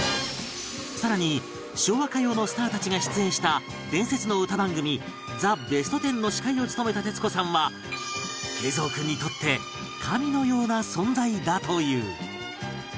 更に昭和歌謡のスターたちが出演した伝説の歌番組『ザ・ベストテン』の司会を務めた徹子さんは桂三君にとって神のような存在だという